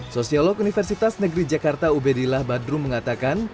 sosiolog universitas negeri jakarta ubedillah badrum mengatakan